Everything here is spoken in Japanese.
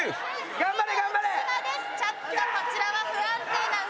頑張れ！